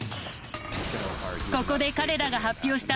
ここで彼らが発表した